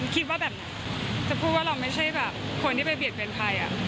คิดว่าจะพูดว่าเราไม่ใช่แบบคนที่ไปเบียดเวรภาย